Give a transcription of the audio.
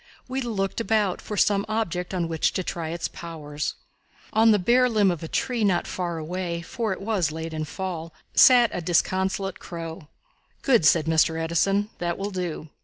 We looked about for some object on which to try its powers. On a bare limb of a tree not far away, for it was late in the Fall, sat a disconsolate crow. "Good," said Mr. Edison, "that will do."